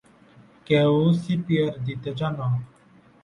কেউ সিপিআর দিতে জানো?